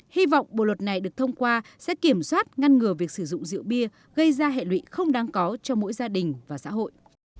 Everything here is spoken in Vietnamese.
hy vọng bộ luật này được thông qua sẽ kiểm soát ngăn ngừa việc sử dụng rượu bia gây ra hệ lụy không đáng có cho mỗi gia đình và xã hội